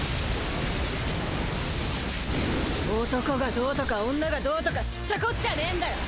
男がどうとか女がどうとか知ったこっちゃねぇんだよ。